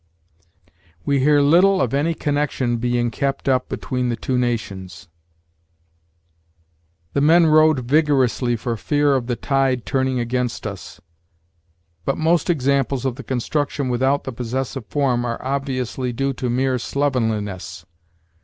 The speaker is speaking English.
'We hear little of any connection being kept up between the two nations.' 'The men rowed vigorously for fear of the tide turning against us.' But most examples of the construction without the possessive form are OBVIOUSLY DUE TO MERE SLOVENLINESS....